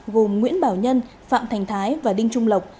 gồm nguyễn bảo nhân phạm thành thái và đinh trung lộc